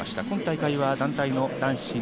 今大会は団体男子